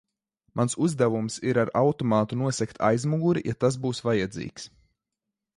Mans uzdevums ir ar automātu nosegt aizmuguri, ja tas būs vajadzīgs.